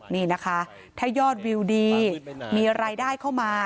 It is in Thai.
นี่นะคะถ้ายอดวิวดีมีรายได้เข้ามา